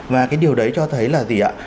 và cái điều đấy cho thấy là gì ạ